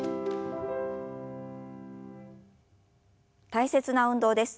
大切な運動です。